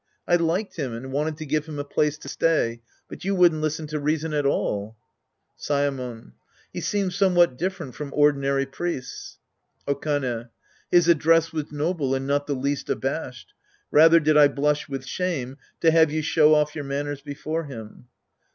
I liked him and wanted to give him a place to stay, but you wouldn't listen to reason at all. Saemon. He seenied somewhat different from ordinary priests. Okane. His address was noble and not the least abashed. Rather did I blush with shame to have you show off your manners before him.